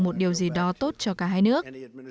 một điều gì đó tốt cho cả hai nước